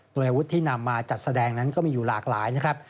โดยอาวุธที่นำมาจัดแสดงนั้นก็มีอยู่หลากหลายนะครับ